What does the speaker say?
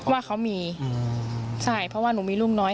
ว่าเขามีใช่เพราะว่าหนูมีลูกน้อย